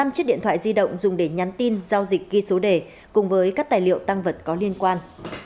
năm chiếc điện thoại di động dùng để nhắn tin giao dịch ghi số đề cùng với các tài liệu tăng vật có liên quan